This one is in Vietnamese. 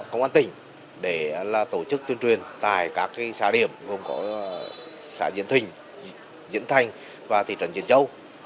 công an tỉnh để tổ chức tuyên truyền tại các xã điểm gồm có xã diễn thình diễn thành và thị trấn diễn châu